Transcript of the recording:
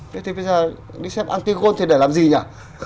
thế thì bây giờ đi xem antigone thì để làm gì nhỉ